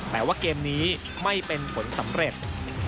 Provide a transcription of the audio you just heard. แม้ว่าเกมนี้ไม่เป็นผลสำเร็จ